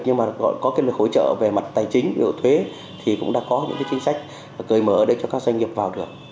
nhưng mà có hỗ trợ về mặt tài chính điều thuê thì cũng đã có những chính sách cởi mở để cho các doanh nghiệp vào được